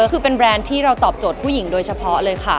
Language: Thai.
ก็คือเป็นแบรนด์ที่เราตอบโจทย์ผู้หญิงโดยเฉพาะเลยค่ะ